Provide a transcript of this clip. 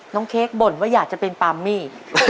เค้กบ่นว่าอยากจะเป็นปามมี่